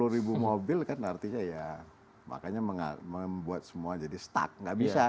dua ratus empat puluh ribu mobil kan artinya ya makanya membuat semua jadi stuck nggak bisa